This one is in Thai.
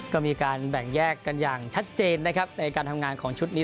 ก็มีการแบ่งแยกกันอย่างชัดเจนนะครับในการทำงานของชุดนี้